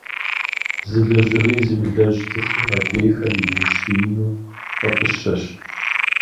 Зы лэжьыгъи зымылэжь цӀыхум адрейхэр иущиину фӀэфӀыщэщ.